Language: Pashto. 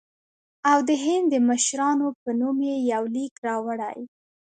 او د هند د مشرانو په نوم یې یو لیک راوړی.